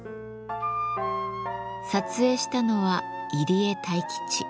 撮影したのは入江泰吉。